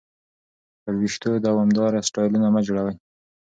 پر وېښتو دوامداره سټایلونه مه جوړوئ.